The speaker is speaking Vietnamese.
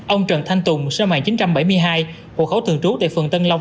ông trần thanh tùng sinh năm một nghìn chín trăm bảy mươi hai hộ khẩu thường trú tại phường tân long